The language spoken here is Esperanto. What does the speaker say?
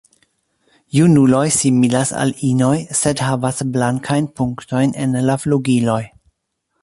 Junuloj similas al inoj, sed havas blankajn punktojn en la flugiloj.